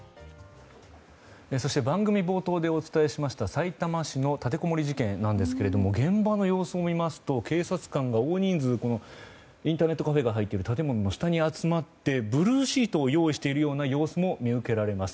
そして番組冒頭でお伝えしましたさいたま市の立てこもり事件なんですが現場の様子を見ますと警察官が大人数、インターネットカフェが入っている建物の下に集まってブルーシートを用意している様子も見受けられます。